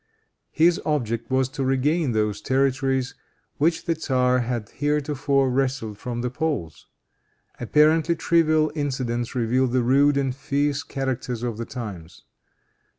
His object was to regain those territories which the tzar had heretofore wrested from the Poles. Apparently trivial incidents reveal the rude and fierce character of the times.